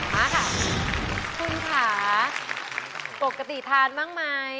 มาค่ะคุณค่ะปกติทานบ้างไหม